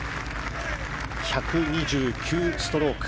１２９ストローク。